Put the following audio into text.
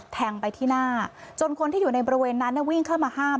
แทงไปที่หน้าจนคนที่อยู่ในบริเวณนั้นวิ่งเข้ามาห้าม